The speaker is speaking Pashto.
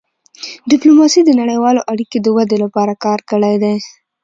ډيپلوماسي د نړیوالو اړیکو د ودې لپاره کار کړی دی.